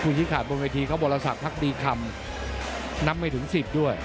คู่ที่ขาดบนวิธีเขาบริษัทพักดีคำน้ำไม่ถึง๑๐ด้วย